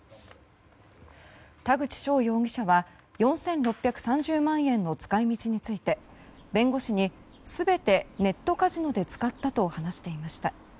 田口翔容疑者は４６３０万円の使い道について弁護士に全てネットカジノで使ったと話していました。